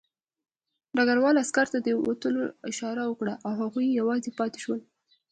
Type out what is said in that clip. ډګروال عسکر ته د وتلو اشاره وکړه او هغوی یوازې پاتې شول